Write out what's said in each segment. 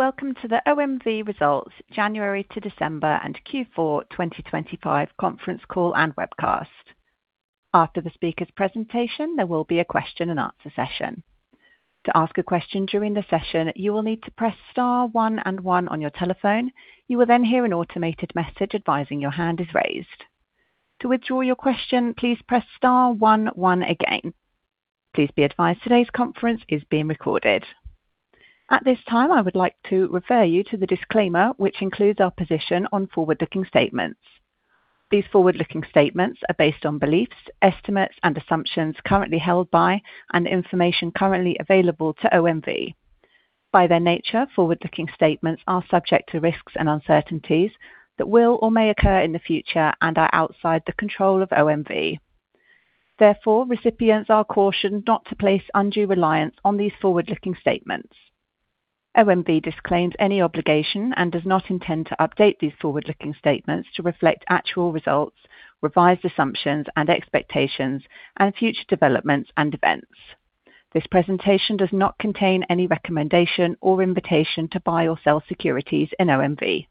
Welcome to the OMV Results, January to December and Q4 2025 conference call and webcast. After the speaker's presentation, there will be a question and answer session. To ask a question during the session, you will need to press star one and one on your telephone. You will then hear an automated message advising your hand is raised. To withdraw your question, please press star one one again. Please be advised, today's conference is being recorded. At this time, I would like to refer you to the disclaimer, which includes our position on forward-looking statements. These forward-looking statements are based on beliefs, estimates, and assumptions currently held by, and information currently available to OMV. By their nature, forward-looking statements are subject to risks and uncertainties that will or may occur in the future and are outside the control of OMV. Therefore, recipients are cautioned not to place undue reliance on these forward-looking statements. OMV disclaims any obligation and does not intend to update these forward-looking statements to reflect actual results, revised assumptions and expectations, and future developments and events. This presentation does not contain any recommendation or invitation to buy or sell securities in OMV.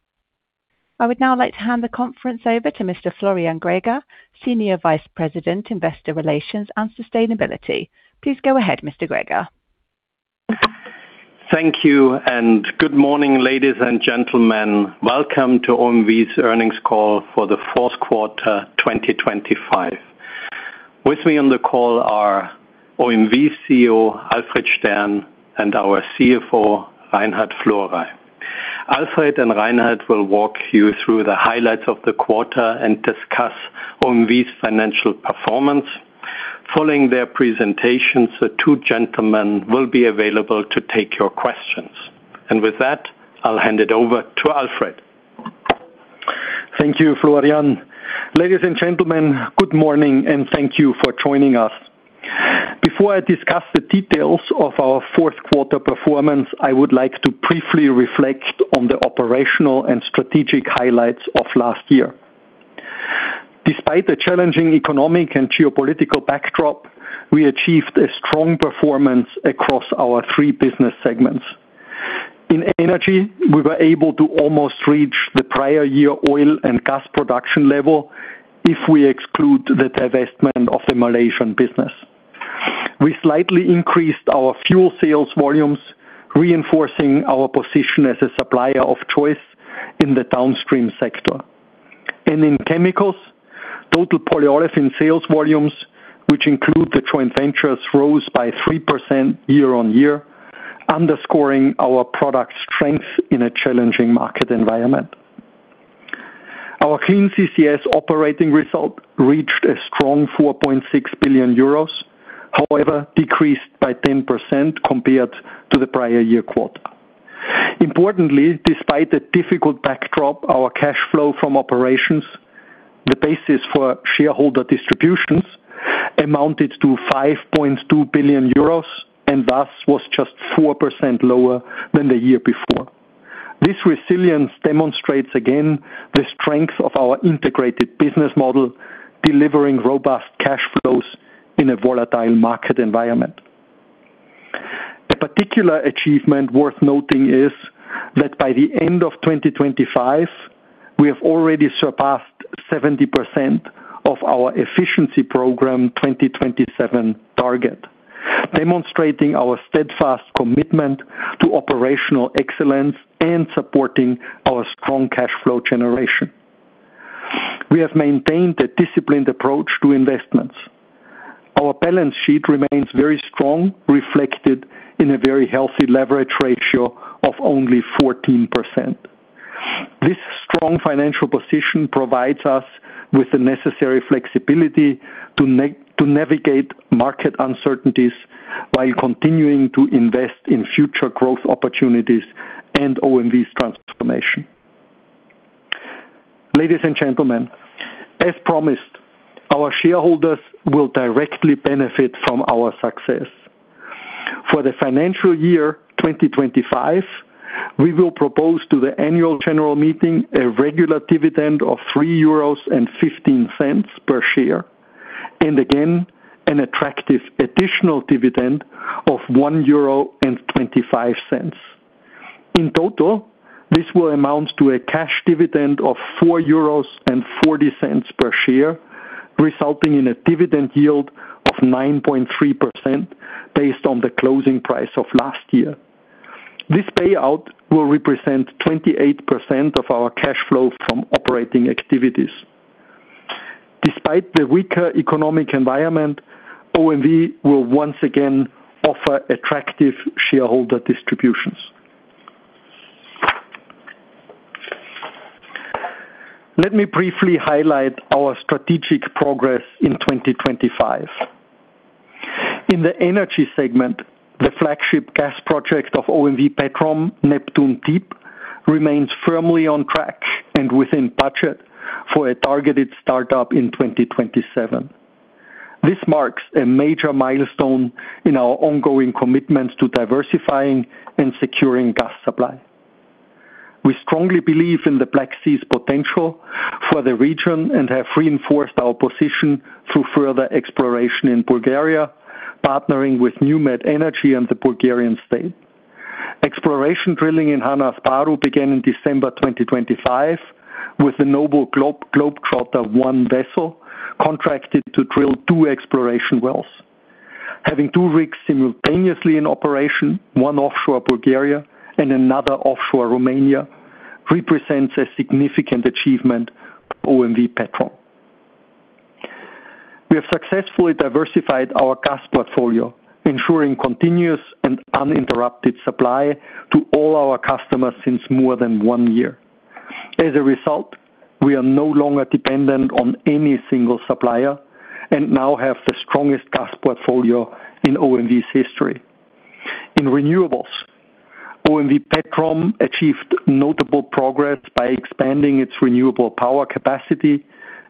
I would now like to hand the conference over to Mr. Florian Greger, Senior Vice President, Investor Relations and Sustainability. Please go ahead, Mr. Greger. Thank you, and good morning, ladies and gentlemen. Welcome to OMV's earnings call for the fourth quarter, 2025. With me on the call are OMV CEO, Alfred Stern, and our CFO, Reinhard Florey. Alfred and Reinhard will walk you through the highlights of the quarter and discuss OMV's financial performance. Following their presentations, the two gentlemen will be available to take your questions. With that, I'll hand it over to Alfred. Thank you, Florian. Ladies and gentlemen, good morning, and thank you for joining us. Before I discuss the details of our fourth quarter performance, I would like to briefly reflect on the operational and strategic highlights of last year. Despite the challenging economic and geopolitical backdrop, we achieved a strong performance across our three business segments. In energy, we were able to almost reach the prior year oil and gas production level if we exclude the divestment of the Malaysian business. We slightly increased our fuel sales volumes, reinforcing our position as a supplier of choice in the downstream sector. In chemicals, total polyolefin sales volumes, which include the joint ventures, rose by 3% year-on-year, underscoring our product strength in a challenging market environment. Our Clean CCS operating result reached a strong 4.6 billion euros, however, decreased by 10% compared to the prior year quarter. Importantly, despite the difficult backdrop, our cash flow from operations, the basis for shareholder distributions, amounted to 5.2 billion euros and thus was just 4% lower than the year before. This resilience demonstrates again the strength of our integrated business model, delivering robust cash flows in a volatile market environment. A particular achievement worth noting is that by the end of 2025, we have already surpassed 70% of our efficiency program 2027 target, demonstrating our steadfast commitment to operational excellence and supporting our strong cash flow generation. We have maintained a disciplined approach to investments. Our balance sheet remains very strong, reflected in a very healthy leverage ratio of only 14%. This strong financial position provides us with the necessary flexibility to to navigate market uncertainties while continuing to invest in future growth opportunities and OMV's transformation. Ladies and gentlemen, as promised, our shareholders will directly benefit from our success. For the financial year 2025, we will propose to the annual general meeting a regular dividend of 3.15 euros per share, and again, an attractive additional dividend of 1.25 euro. In total, this will amount to a cash dividend of 4.40 euros per share, resulting in a dividend yield of 9.3% based on the closing price of last year. This payout will represent 28% of our cash flow from operating activities. Despite the weaker economic environment, OMV will once again offer attractive shareholder distributions. Let me briefly highlight our strategic progress in 2025. In the energy segment, the flagship gas project of OMV Petrom, Neptune Deep, remains firmly on track and within budget for a targeted startup in 2027. This marks a major milestone in our ongoing commitments to diversifying and securing gas supply. We strongly believe in the Black Sea's potential for the region and have reinforced our position through further exploration in Bulgaria, partnering with NewMed Energy and the Bulgarian state. Exploration drilling in Han-Asparuh began in December 2025, with the Noble Globetrotter I vessel contracted to drill two exploration wells. Having two rigs simultaneously in operation, one offshore Bulgaria and another offshore Romania, represents a significant achievement for OMV Petrom. We have successfully diversified our gas portfolio, ensuring continuous and uninterrupted supply to all our customers since more than one year. As a result, we are no longer dependent on any single supplier and now have the strongest gas portfolio in OMV's history. In renewables, OMV Petrom achieved notable progress by expanding its renewable power capacity,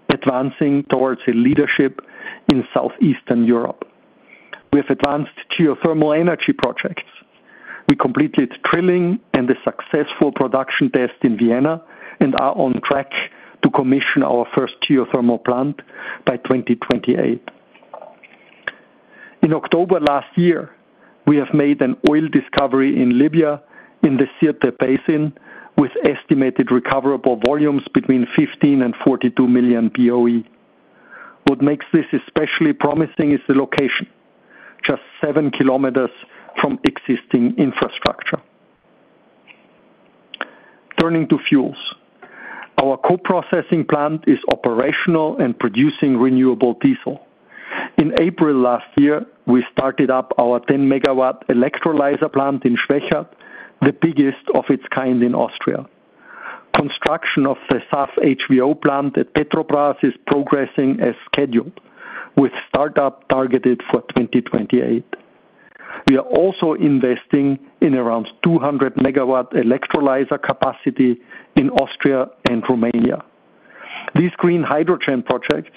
advancing towards a leadership in Southeastern Europe. With advanced geothermal energy projects, we completed drilling and the successful production test in Vienna and are on track to commission our first geothermal plant by 2028. In October last year, we have made an oil discovery in Libya, in the Sirte Basin, with estimated recoverable volumes between 15 and 42 million BOE. What makes this especially promising is the location, just 7 kilometers from existing infrastructure. Turning to fuels, our co-processing plant is operational and producing renewable diesel. In April last year, we started up our 10-megawatt electrolyzer plant in Schwechat, the biggest of its kind in Austria. Construction of the SAF HVO plant at Petrobrazi is progressing as scheduled, with startup targeted for 2028. We are also investing in around 200-megawatt electrolyzer capacity in Austria and Romania. These green hydrogen projects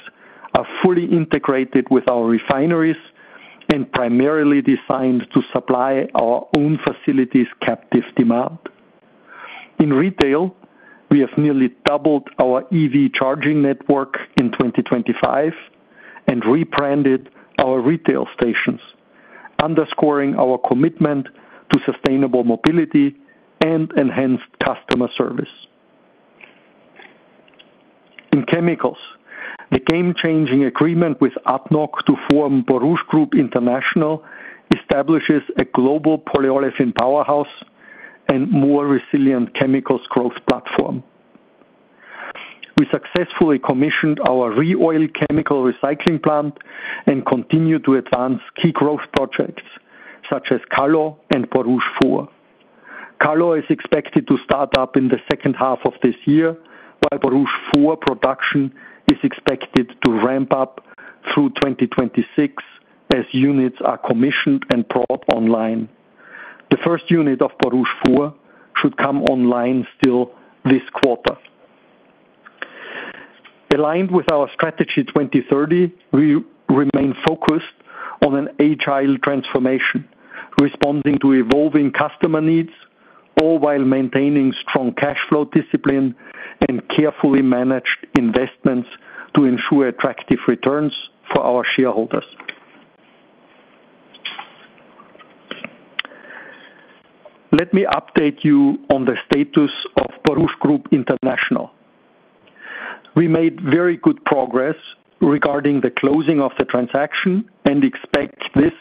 are fully integrated with our refineries and primarily designed to supply our own facilities' captive demand. In retail, we have nearly doubled our EV charging network in 2025 and rebranded our retail stations, underscoring our commitment to sustainable mobility and enhanced customer service. In chemicals, the game-changing agreement with ADNOC to form Borouge Group International establishes a global polyolefin powerhouse and more resilient chemicals growth platform. We successfully commissioned our ReOil chemical recycling plant and continue to advance key growth projects, such as Kallo and Borouge 4. Kallo is expected to start up in the second half of this year, while Borouge 4 production is expected to ramp up through 2026 as units are commissioned and brought online. The first unit of Borouge 4 should come online still this quarter. Aligned with our Strategy 2030, we remain focused on an agile transformation, responding to evolving customer needs, all while maintaining strong cash flow discipline and carefully managed investments to ensure attractive returns for our shareholders. Let me update you on the status of Borouge Group International. We made very good progress regarding the closing of the transaction and expect this,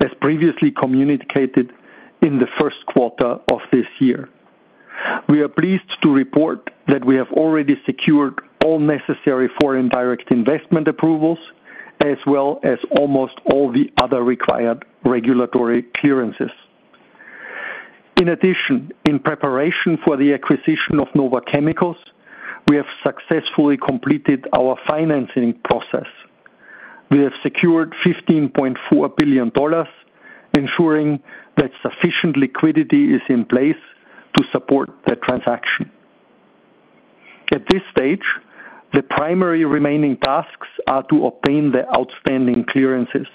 as previously communicated, in the first quarter of this year. We are pleased to report that we have already secured all necessary foreign direct investment approvals, as well as almost all the other required regulatory clearances. In addition, in preparation for the acquisition of NOVA Chemicals, we have successfully completed our financing process. We have secured $15.4 billion, ensuring that sufficient liquidity is in place to support the transaction. At this stage, the primary remaining tasks are to obtain the outstanding clearances.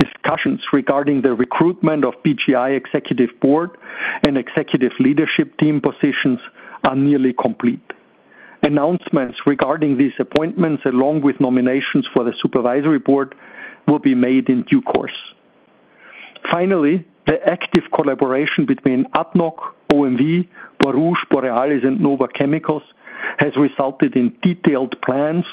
Discussions regarding the recruitment of BGI executive board and executive leadership team positions are nearly complete. Announcements regarding these appointments, along with nominations for the supervisory board, will be made in due course. Finally, the active collaboration between ADNOC, OMV, Borouge, Borealis, and NOVA Chemicals has resulted in detailed plans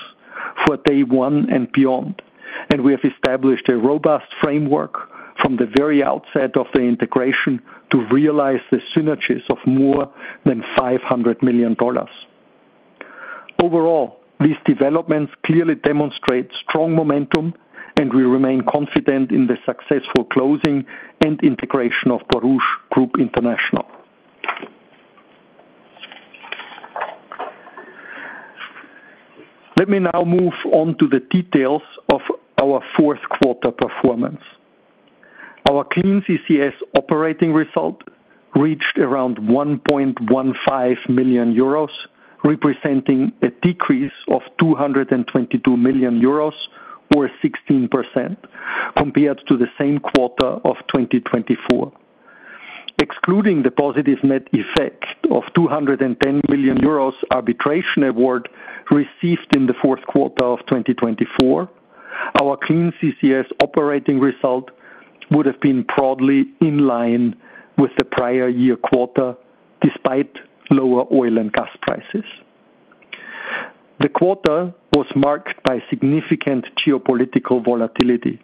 for day one and beyond, and we have established a robust framework from the very outset of the integration to realize the synergies of more than $500 million. Overall, these developments clearly demonstrate strong momentum, and we remain confident in the successful closing and integration of Borouge Group International. Let me now move on to the details of our fourth quarter performance. Our Clean CCS operating result reached around 1.15 million euros, representing a decrease of 222 million euros or 16% compared to the same quarter of 2024. Excluding the positive net effect of 210 billion euros arbitration award received in the fourth quarter of 2024, our Clean CCS operating result would have been broadly in line with the prior year quarter, despite lower oil and gas prices. The quarter was marked by significant geopolitical volatility.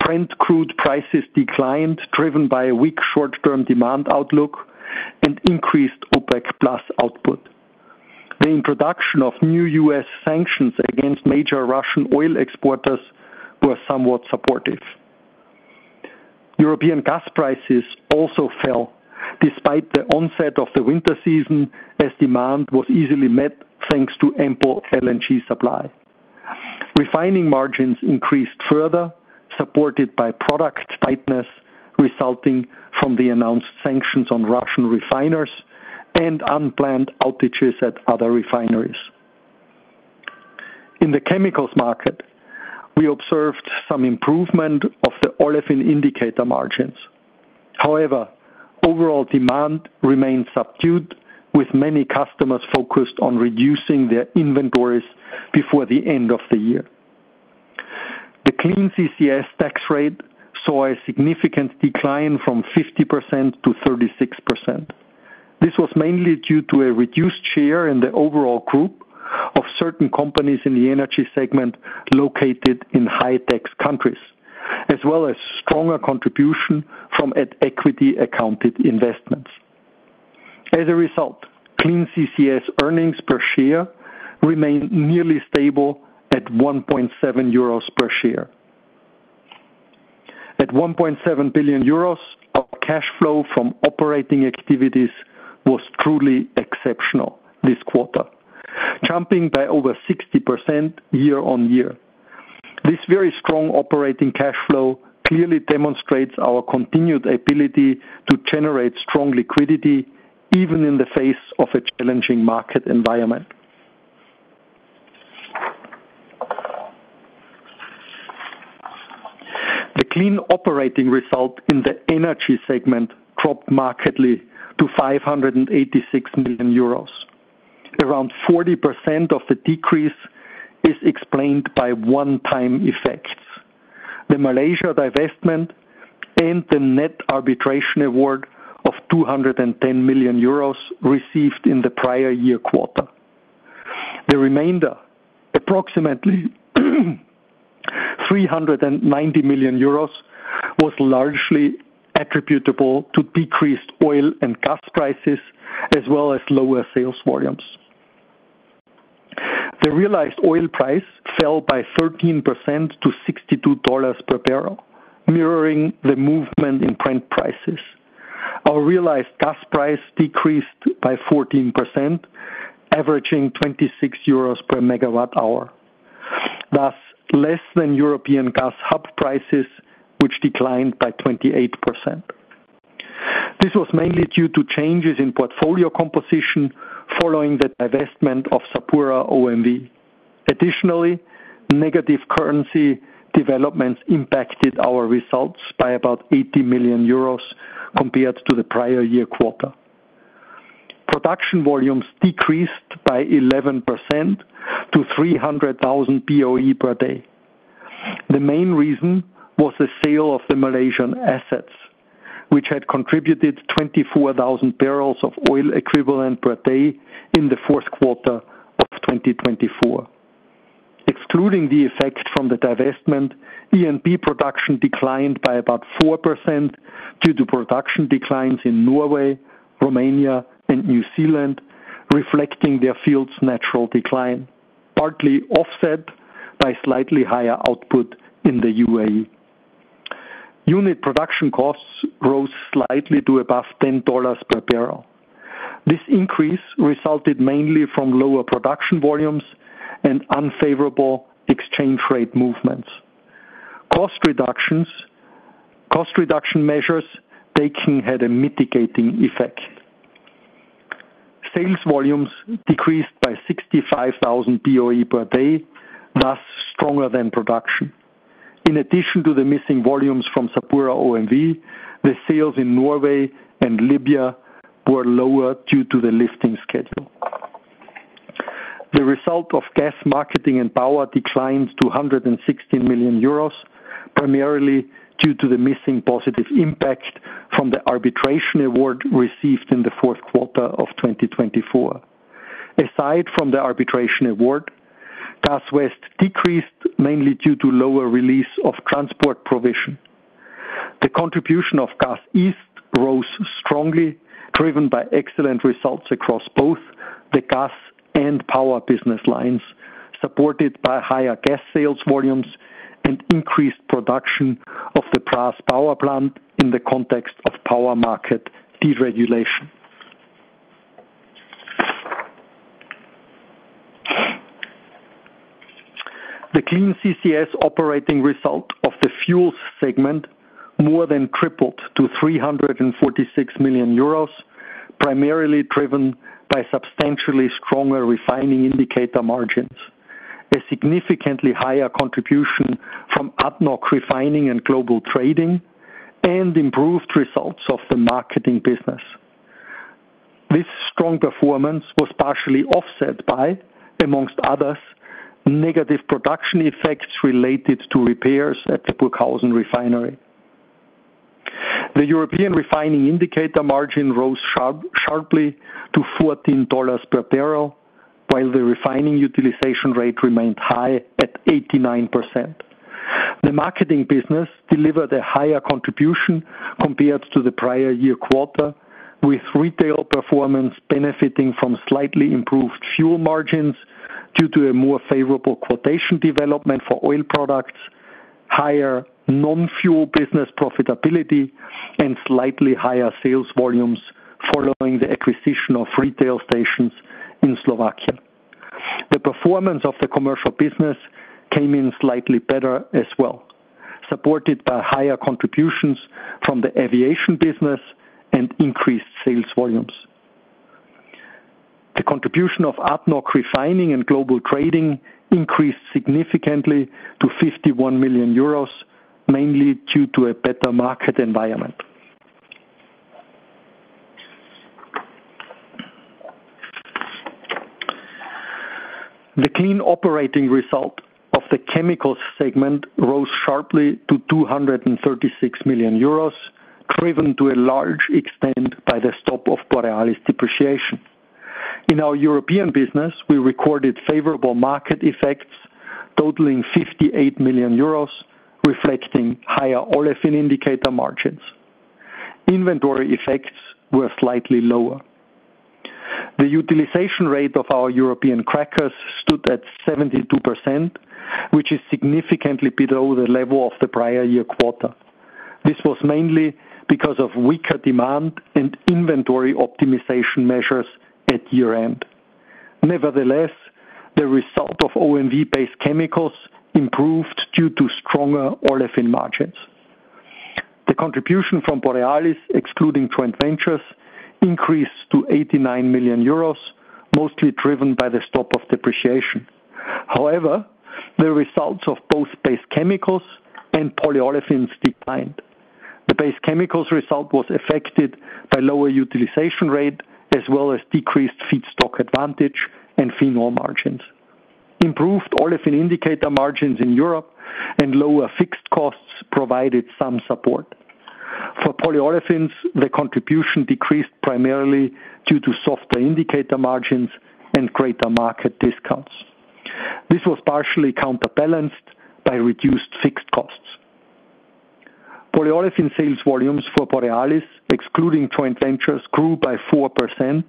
Brent crude prices declined, driven by a weak short-term demand outlook and increased OPEC+ output. The introduction of new U.S. sanctions against major Russian oil exporters were somewhat supportive. European gas prices also fell, despite the onset of the winter season, as demand was easily met, thanks to ample LNG supply. Refining margins increased further, supported by product tightness, resulting from the announced sanctions on Russian refiners and unplanned outages at other refineries. In the chemicals market, we observed some improvement of the olefin indicator margins. However, overall demand remains subdued, with many customers focused on reducing their inventories before the end of the year. The Clean CCS tax rate saw a significant decline from 50% to 36%. This was mainly due to a reduced share in the overall group of certain companies in the energy segment located in high-tax countries, as well as stronger contribution from at equity accounted investments. As a result, Clean CCS earnings per share remained nearly stable at 1.7 euros per share. At 1.7 billion euros, our cash flow from operating activities was truly exceptional this quarter, jumping by over 60% year-over-year. This very strong operating cash flow clearly demonstrates our continued ability to generate strong liquidity, even in the face of a challenging market environment. The clean operating result in the energy segment dropped markedly to 586 million euros. Around 40% of the decrease is explained by one-time effects: the Malaysia divestment and the net arbitration award of 210 million euros received in the prior year quarter. The remainder, approximately 390 million euros, was largely attributable to decreased oil and gas prices, as well as lower sales volumes. The realized oil price fell by 13% to $62 per barrel, mirroring the movement in Brent prices. Our realized gas price decreased by 14%, averaging 26 euros per megawatt hour, thus less than European gas hub prices, which declined by 28%. This was mainly due to changes in portfolio composition following the divestment of SapuraOMV. Additionally, negative currency developments impacted our results by about 80 million euros compared to the prior year quarter. Production volumes decreased by 11% to 300,000 BOE per day. The main reason was the sale of the Malaysian assets, which had contributed 24,000 barrels of oil equivalent per day in the fourth quarter of 2024. Excluding the effect from the divestment, E&P production declined by about 4% due to production declines in Norway, Romania, and New Zealand, reflecting their field's natural decline, partly offset by slightly higher output in the UAE. Unit production costs rose slightly to above $10 per barrel. This increase resulted mainly from lower production volumes and unfavorable exchange rate movements. Cost reduction measures had a mitigating effect. Sales volumes decreased by 65,000 BOE per day, thus stronger than production. In addition to the missing volumes from SapuraOMV, the sales in Norway and Libya were lower due to the lifting schedule. The result of gas marketing and power declined to 160 million euros, primarily due to the missing positive impact from the arbitration award received in the fourth quarter of 2024. Aside from the arbitration award, Gas West decreased mainly due to lower release of transport provision. The contribution of Gas East rose strongly, driven by excellent results across both the gas and power business lines, supported by higher gas sales volumes and increased production of the Brazi power plant in the context of power market deregulation. The Clean CCS operating result of the fuels segment more than tripled to 346 million euros... primarily driven by substantially stronger refining indicator margins, a significantly higher contribution from upstream refining and global trading, and improved results of the marketing business. This strong performance was partially offset by, among others, negative production effects related to repairs at the Burghausen Refinery. The European refining indicator margin rose sharply to $14 per barrel, while the refining utilization rate remained high at 89%. The marketing business delivered a higher contribution compared to the prior year quarter, with retail performance benefiting from slightly improved fuel margins due to a more favorable quotation development for oil products, higher non-fuel business profitability, and slightly higher sales volumes following the acquisition of retail stations in Slovakia. The performance of the commercial business came in slightly better as well, supported by higher contributions from the aviation business and increased sales volumes. The contribution of upstream refining and global trading increased significantly to 51 million euros, mainly due to a better market environment. The clean operating result of the chemical segment rose sharply to 236 million euros, driven to a large extent by the stop of Borealis depreciation. In our European business, we recorded favorable market effects totaling 58 million euros, reflecting higher olefin indicator margins. Inventory effects were slightly lower. The utilization rate of our European crackers stood at 72%, which is significantly below the level of the prior year quarter. This was mainly because of weaker demand and inventory optimization measures at year-end. Nevertheless, the result of OMV-based chemicals improved due to stronger olefin margins. The contribution from Borealis, excluding joint ventures, increased to 89 million euros, mostly driven by the stop of depreciation. However, the results of both base chemicals and polyolefins declined. The base chemicals result was affected by lower utilization rate, as well as decreased feedstock advantage and phenol margins. Improved olefin indicator margins in Europe and lower fixed costs provided some support. For polyolefins, the contribution decreased primarily due to softer indicator margins and greater market discounts. This was partially counterbalanced by reduced fixed costs. Polyolefin sales volumes for Borealis, excluding joint ventures, grew by 4%,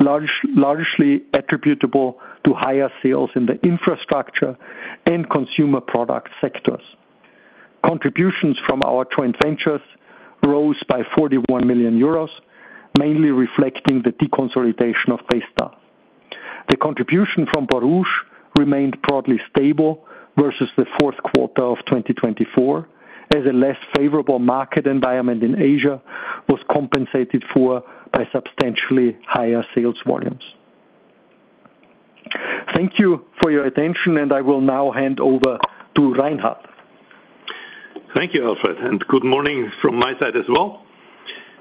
largely attributable to higher sales in the infrastructure and consumer product sectors. Contributions from our joint ventures rose by 41 million euros, mainly reflecting the deconsolidation of Baystar. The contribution from Borouge remained broadly stable versus the fourth quarter of 2024, as a less favorable market environment in Asia was compensated for by substantially higher sales volumes. Thank you for your attention, and I will now hand over to Reinhard. Thank you, Alfred, and good morning from my side as well.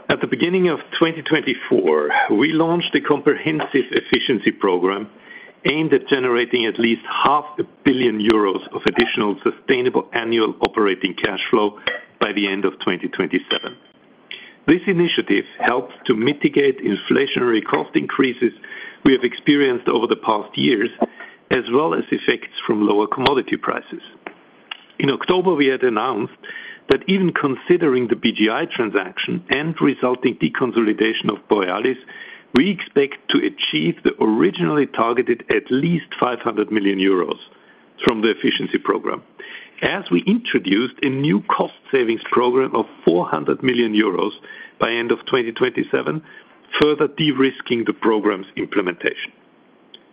At the beginning of 2024, we launched a comprehensive efficiency program aimed at generating at least 500 million euros of additional sustainable annual operating cash flow by the end of 2027. This initiative helped to mitigate inflationary cost increases we have experienced over the past years, as well as effects from lower commodity prices. In October, we had announced that even considering the BGI transaction and resulting deconsolidation of Borealis, we expect to achieve the originally targeted at least 500 million euros from the efficiency program. As we introduced a new cost savings program of 400 million euros by end of 2027, further de-risking the program's implementation.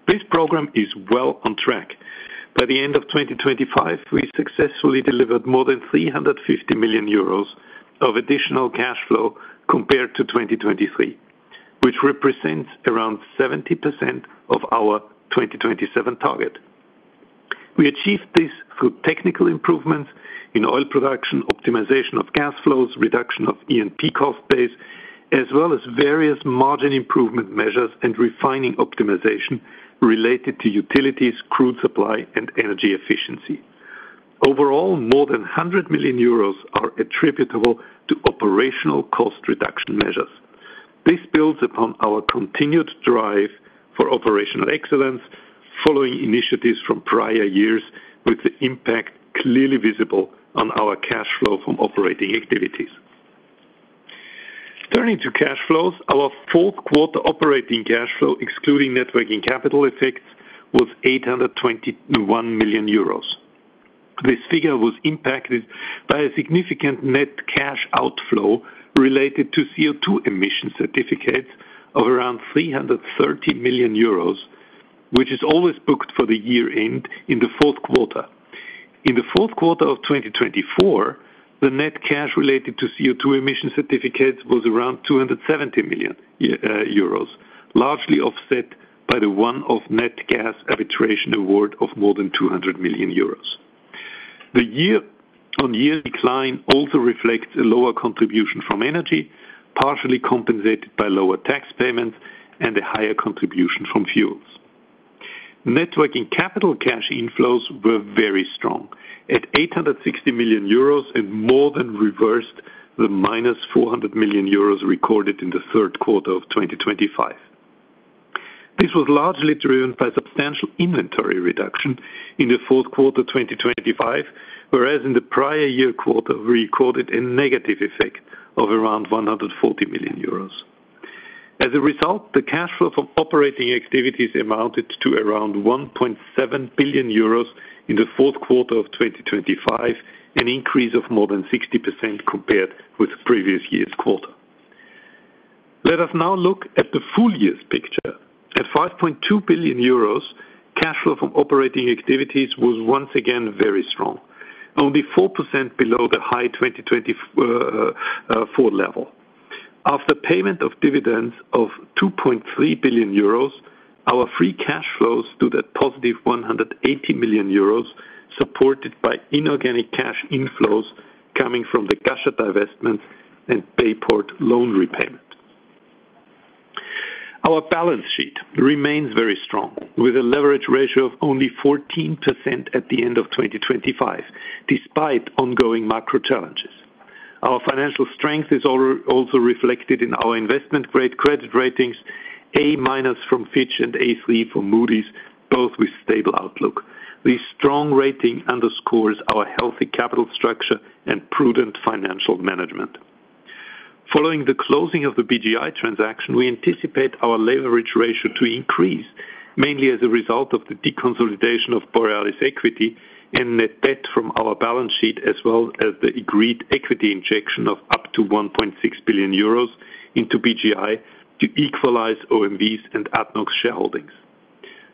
This program is well on track. By the end of 2025, we successfully delivered more than 350 million euros of additional cash flow compared to 2023, which represents around 70% of our 2027 target. We achieved this through technical improvements in oil production, optimization of gas flows, reduction of E&P cost base, as well as various margin improvement measures and refining optimization related to utilities, crude supply, and energy efficiency. Overall, more than 100 million euros are attributable to operational cost reduction measures. This builds upon our continued drive for operational excellence, following initiatives from prior years, with the impact clearly visible on our cash flow from operating activities. Turning to cash flows, our fourth quarter operating cash flow, excluding net working capital effects, was 821 million euros. This figure was impacted by a significant net cash outflow related to CO2 emission certificates of around 330 million euros, which is always booked for the year-end in the fourth quarter. In the fourth quarter of 2024, the net cash related to CO2 emission certificates was around 270 million euros, largely offset by the one-off net gas arbitration award of more than 200 million euros. The year-on-year decline also reflects a lower contribution from energy, partially compensated by lower tax payments and a higher contribution from fuels. Net working capital cash inflows were very strong, at 860 million euros, and more than reversed the -400 million euros recorded in the third quarter of 2025. This was largely driven by substantial inventory reduction in the fourth quarter, 2025, whereas in the prior year quarter, we recorded a negative effect of around 140 million euros. As a result, the cash flow from operating activities amounted to around 1.7 billion euros in the fourth quarter of 2025, an increase of more than 60% compared with the previous year's quarter. Let us now look at the full year's picture. At 5.2 billion euros, cash flow from operating activities was once again very strong, only 4% below the high 2024 level. After payment of dividends of 2.3 billion euros, our free cash flow to the +180 million euros, supported by inorganic cash inflows coming from the cash divestments and Bayport loan repayment. Our balance sheet remains very strong, with a leverage ratio of only 14% at the end of 2025, despite ongoing macro challenges. Our financial strength is also reflected in our investment-grade credit ratings, A- from Fitch and A3 from Moody's, both with stable outlook. This strong rating underscores our healthy capital structure and prudent financial management. Following the closing of the BGI transaction, we anticipate our leverage ratio to increase, mainly as a result of the deconsolidation of Borealis equity and net debt from our balance sheet, as well as the agreed equity injection of up to 1.6 billion euros into BGI to equalize OMV's and ADNOC's shareholdings.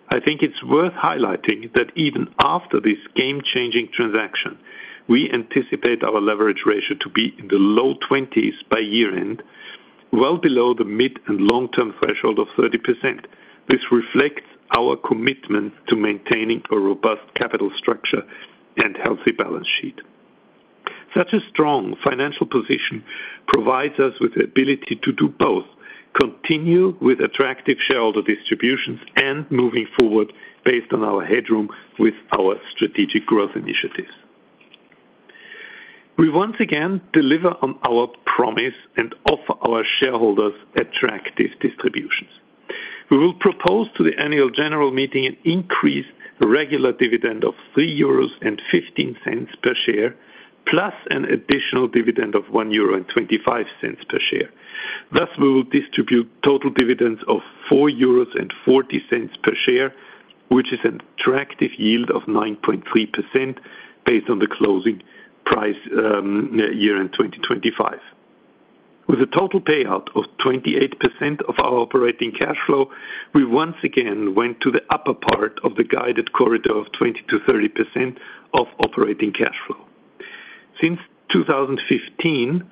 I think it's worth highlighting that even after this game-changing transaction, we anticipate our leverage ratio to be in the low 20s by year-end, well below the mid- and long-term threshold of 30%. This reflects our commitment to maintaining a robust capital structure and healthy balance sheet. Such a strong financial position provides us with the ability to do both: continue with attractive shareholder distributions and moving forward based on our headroom with our strategic growth initiatives. We once again deliver on our promise and offer our shareholders attractive distributions. We will propose to the annual general meeting an increase regular dividend of 3.15 euros per share, plus an additional dividend of 1.25 euro per share. Thus, we will distribute total dividends of 4.40 euros per share, which is an attractive yield of 9.3% based on the closing price, year-end 2025. With a total payout of 28% of our operating cash flow, we once again went to the upper part of the guided corridor of 20%-30% of operating cash flow. Since 2015,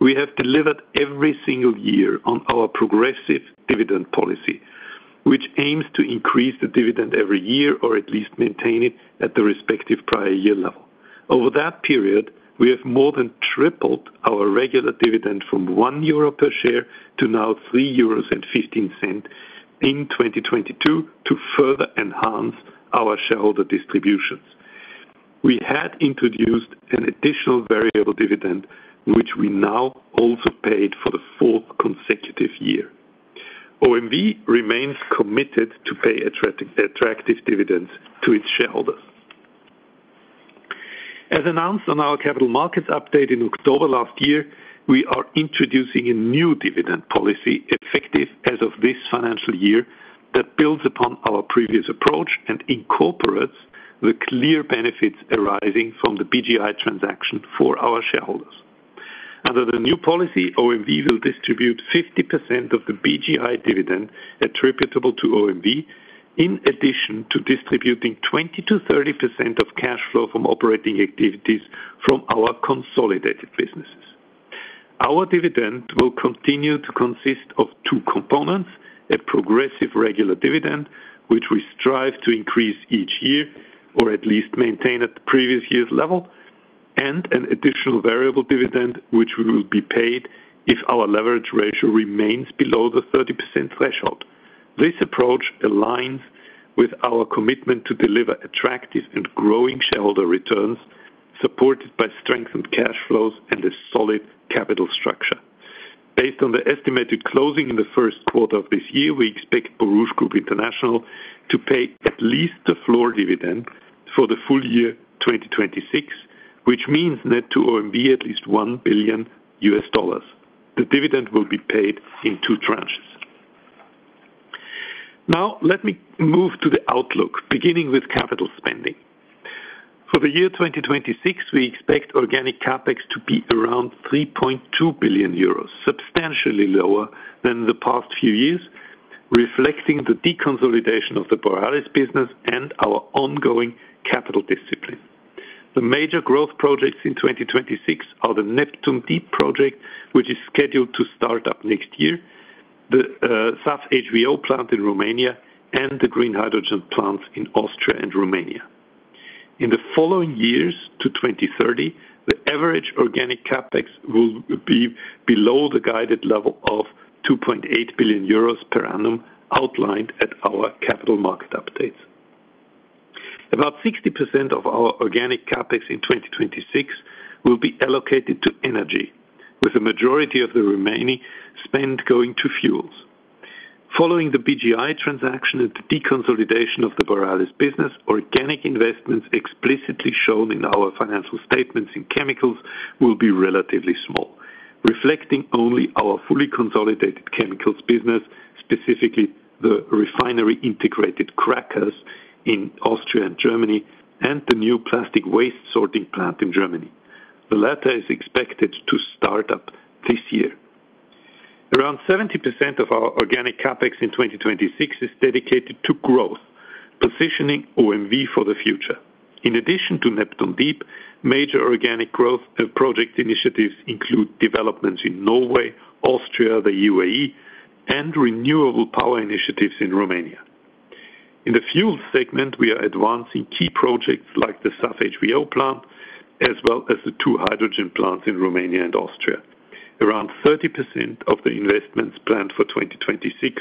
we have delivered every single year on our progressive dividend policy, which aims to increase the dividend every year, or at least maintain it at the respective prior year level. Over that period, we have more than tripled our regular dividend from 1 euro per share to now 3.15 euros in 2022, to further enhance our shareholder distributions. We had introduced an additional variable dividend, which we now also paid for the fourth consecutive year. OMV remains committed to pay attractive dividends to its shareholders. As announced on our capital markets update in October last year, we are introducing a new dividend policy, effective as of this financial year, that builds upon our previous approach and incorporates the clear benefits arising from the BGI transaction for our shareholders. Under the new policy, OMV will distribute 50% of the BGI dividend attributable to OMV, in addition to distributing 20%-30% of cash flow from operating activities from our consolidated businesses. Our dividend will continue to consist of two components: a progressive regular dividend, which we strive to increase each year, or at least maintain at the previous year's level, and an additional variable dividend, which will be paid if our leverage ratio remains below the 30% threshold. This approach aligns with our commitment to deliver attractive and growing shareholder returns, supported by strengthened cash flows and a solid capital structure. Based on the estimated closing in the first quarter of this year, we expect Borouge Group International to pay at least the floor dividend for the full year 2026, which means net to OMV, at least $1 billion. The dividend will be paid in 2 tranches. Now, let me move to the outlook, beginning with capital spending. For the year 2026, we expect organic CapEx to be around 3.2 billion euros, substantially lower than the past few years... reflecting the deconsolidation of the Borealis business and our ongoing capital discipline. The major growth projects in 2026 are the Neptune Deep Project, which is scheduled to start up next year, the SAF HVO plant in Romania, and the green hydrogen plants in Austria and Romania. In the following years to 2030, the average organic CapEx will be below the guided level of 2.8 billion euros per annum, outlined at our capital market updates. About 60% of our organic CapEx in 2026 will be allocated to energy, with the majority of the remaining spend going to fuels. Following the BGI transaction and the deconsolidation of the Borealis business, organic investments explicitly shown in our financial statements in chemicals will be relatively small, reflecting only our fully consolidated chemicals business, specifically the refinery-integrated crackers in Austria and Germany, and the new plastic waste sorting plant in Germany. The latter is expected to start up this year. Around 70% of our organic CapEx in 2026 is dedicated to growth, positioning OMV for the future. In addition to Neptune Deep, major organic growth and project initiatives include developments in Norway, Austria, the UAE, and renewable power initiatives in Romania. In the fuel segment, we are advancing key projects like the SAF HVO plant, as well as the two hydrogen plants in Romania and Austria. Around 30% of the investments planned for 2026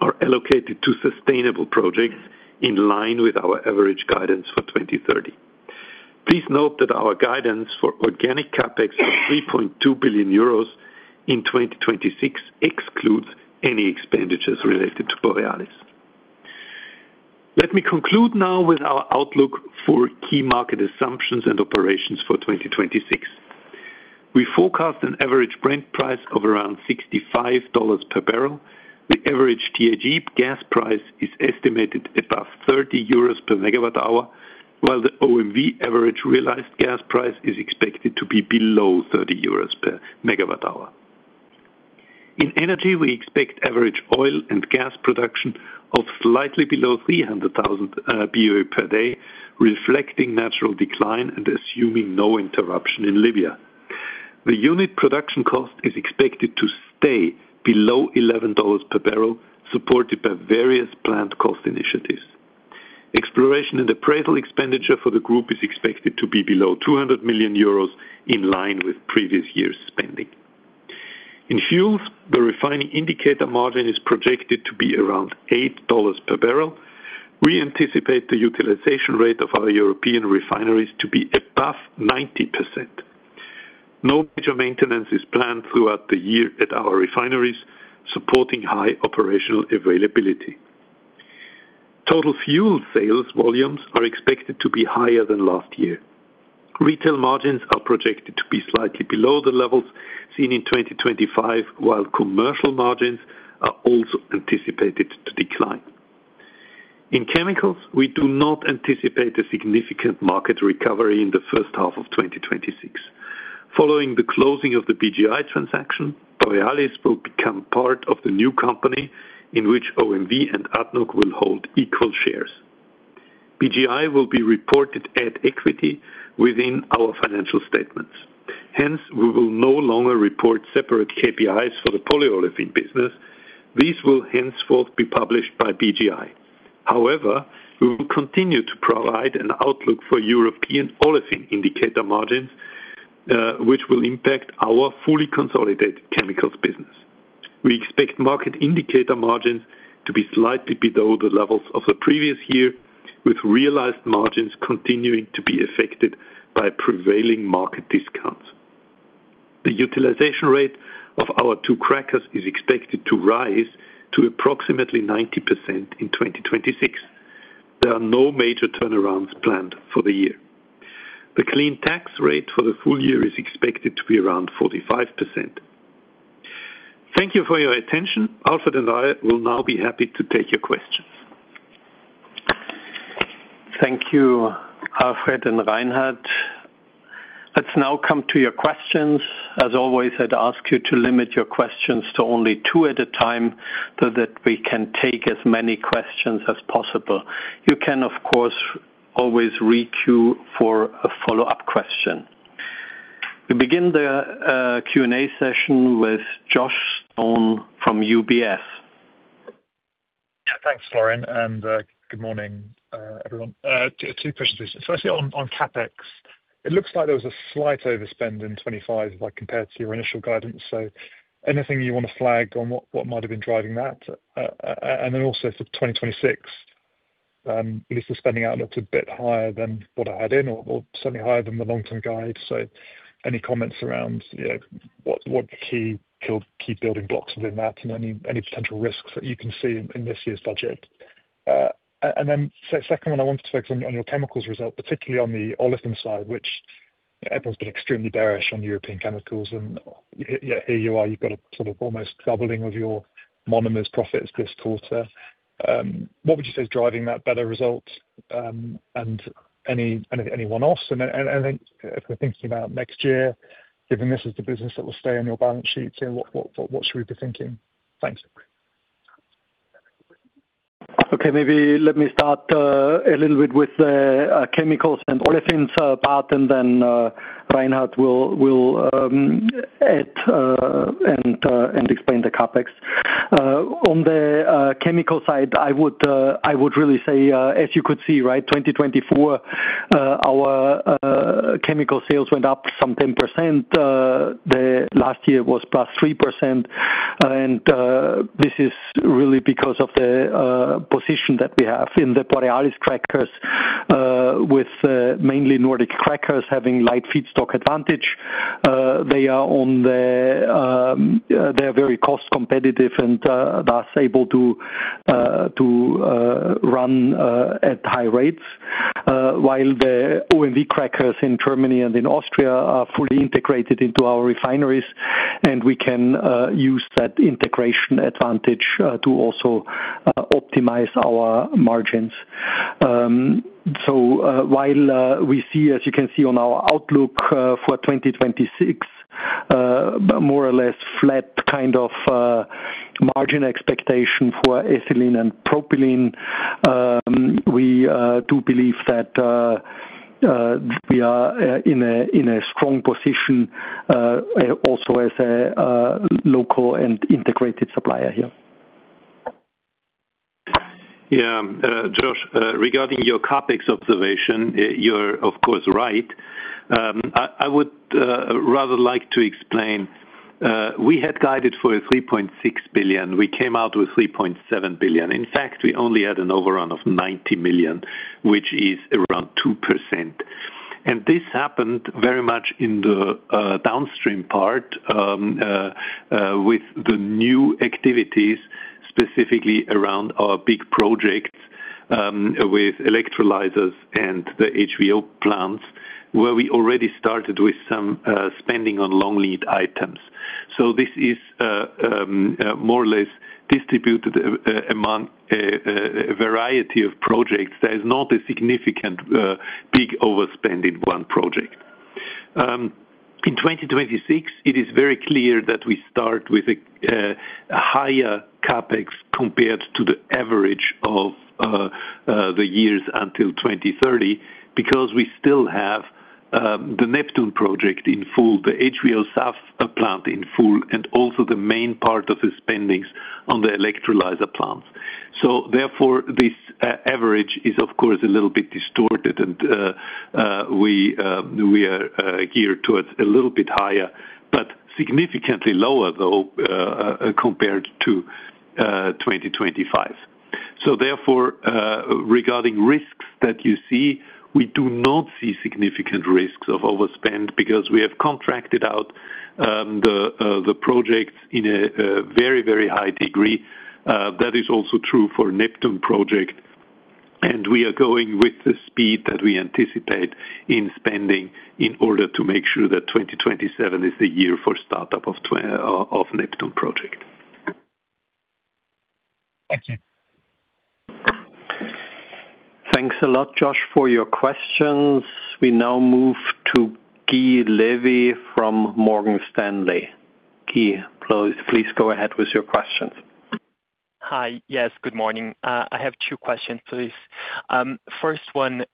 are allocated to sustainable projects in line with our average guidance for 2030. Please note that our guidance for organic CapEx of 3.2 billion euros in 2026 excludes any expenditures related to Borealis. Let me conclude now with our outlook for key market assumptions and operations for 2026. We forecast an average Brent price of around $65 per barrel. The average THE gas price is estimated above 30 euros per megawatt hour, while the OMV average realized gas price is expected to be below 30 euros per megawatt hour. In energy, we expect average oil and gas production of slightly below 300,000 BOE per day, reflecting natural decline and assuming no interruption in Libya. The unit production cost is expected to stay below $11 per barrel, supported by various planned cost initiatives. Exploration and appraisal expenditure for the group is expected to be below 200 million euros, in line with previous years' spending. In fuels, the refining indicator margin is projected to be around $8 per barrel. We anticipate the utilization rate of our European refineries to be above 90%. No major maintenance is planned throughout the year at our refineries, supporting high operational availability. Total fuel sales volumes are expected to be higher than last year. Retail margins are projected to be slightly below the levels seen in 2025, while commercial margins are also anticipated to decline. In chemicals, we do not anticipate a significant market recovery in the first half of 2026. Following the closing of the BGI transaction, Borealis will become part of the new company, in which OMV and ADNOC will hold equal shares. BGI will be reported at equity within our financial statements, hence, we will no longer report separate KPIs for the polyolefin business. These will henceforth be published by BGI. However, we will continue to provide an outlook for European olefin indicator margins, which will impact our fully consolidated chemicals business. We expect market indicator margins to be slightly below the levels of the previous year, with realized margins continuing to be affected by prevailing market discounts. The utilization rate of our two crackers is expected to rise to approximately 90% in 2026. There are no major turnarounds planned for the year. The clean tax rate for the full year is expected to be around 45%. Thank you for your attention. Alfred and I will now be happy to take your questions. Thank you, Alfred and Reinhard. Let's now come to your questions. As always, I'd ask you to limit your questions to only two at a time, so that we can take as many questions as possible. You can, of course, always re-queue for a follow-up question. We begin the Q&A session with Josh Stone from UBS. Yeah, thanks, Florian, and good morning, everyone. Two questions. Firstly, on CapEx, it looks like there was a slight overspend in 25, like, compared to your initial guidance. So anything you want to flag on what might have been driving that? And then also for 2026, at least the spending out looked a bit higher than what I had in, or certainly higher than the long-term guide. So any comments around, you know, what the key building blocks within that, and any potential risks that you can see in this year's budget? And then second one, I wanted to focus on your chemicals result, particularly on the olefin side, which everyone's been extremely bearish on European chemicals, and yet here you are, you've got a sort of almost doubling of your monomers profits this quarter. What would you say is driving that better result? And anyone else? And then I think if we're thinking about next year, given this is the business that will stay on your balance sheet, so what should we be thinking? Thanks. Okay, maybe let me start a little bit with the chemicals and olefins part, and then Reinhard will add and explain the CapEx. On the chemical side, I would really say, as you could see, right, 2024 our chemical sales went up some 10%, the last year was +3%. This is really because of the position that we have in the Borealis crackers, with mainly Nordic crackers having light feedstock advantage. They are very cost competitive and thus able to run at high rates. While the OMV crackers in Germany and in Austria are fully integrated into our refineries, and we can use that integration advantage to also optimize our margins. So, while we see, as you can see on our outlook, for 2026, more or less flat kind of margin expectation for ethylene and propylene, we do believe that we are in a, in a strong position also as a local and integrated supplier here. Yeah, Josh, regarding your CapEx observation, you're, of course, right. I would rather like to explain, we had guided for 3.6 billion. We came out with 3.7 billion. In fact, we only had an overrun of 90 million, which is around 2%. This happened very much in the downstream part, with the new activities, specifically around our big projects, with electrolyzers and the HVO plants, where we already started with some spending on long lead items. This is more or less distributed among a variety of projects. There is not a significant big overspend in one project. In 2026, it is very clear that we start with a higher CapEx compared to the average of the years until 2030, because we still have the Neptune project in full, the HVO SAF plant in full, and also the main part of the spendings on the electrolyzer plants. So therefore, this average is, of course, a little bit distorted, and we are geared towards a little bit higher, but significantly lower, though, compared to 2025. So therefore, regarding risks that you see, we do not see significant risks of overspend because we have contracted out the projects in a very, very high degree. That is also true for Neptune project, and we are going with the speed that we anticipate in spending, in order to make sure that 2027 is the year for startup of Neptune project. Thank you. Thanks a lot, Josh, for your questions. We now move to Gui Levy from Morgan Stanley. Guy, please, please go ahead with your questions. Hi. Yes, good morning. I have two questions, please. First one,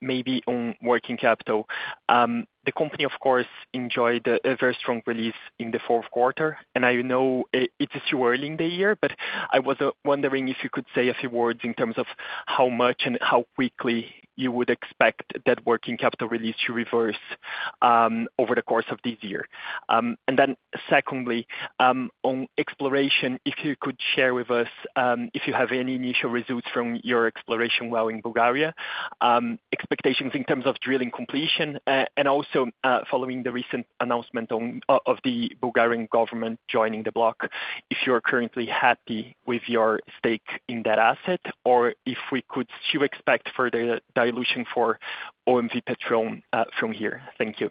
maybe on working capital. The company, of course, enjoyed a very strong release in the fourth quarter, and I know it's too early in the year, but I was wondering if you could say a few words in terms of how much and how quickly you would expect that working capital release to reverse over the course of this year? Secondly, on exploration, if you could share with us if you have any initial results from your exploration well in Bulgaria, expectations in terms of drilling completion, and also, following the recent announcement on the Bulgarian government joining the block, if you are currently happy with your stake in that asset, or if we could still expect further dilution for OMV Petrom from here? Thank you.